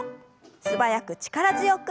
素早く力強く。